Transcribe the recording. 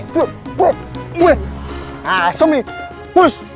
kamu rasa gitu sih